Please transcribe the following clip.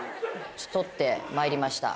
撮ってまいりました。